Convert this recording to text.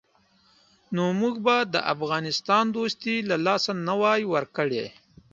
نو موږ به د افغانستان دوستي له لاسه نه وای ورکړې.